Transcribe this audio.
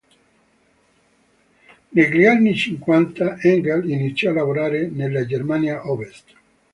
Negli anni cinquanta Engel iniziò a lavorare nella Germania Ovest.